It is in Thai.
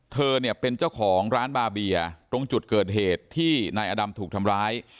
เธอเนี่ยเป็นเจ้าของร้านบาเบียตรงจุดเกิดเหตุที่นายอดำถูกทำร้าย